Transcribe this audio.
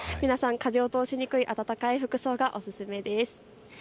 皆さん風を通しにくい暖かい服装がおすすめです。